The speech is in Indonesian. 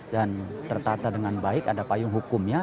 dan tertata dengan baik ada payung hukumnya